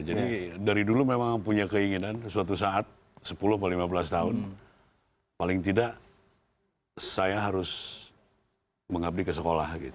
jadi dari dulu memang punya keinginan suatu saat sepuluh atau lima belas tahun paling tidak saya harus mengabdi ke sekolah gitu